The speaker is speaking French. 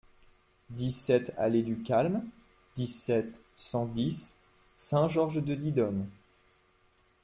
dix-sept allée du Calme, dix-sept, cent dix, Saint-Georges-de-Didonne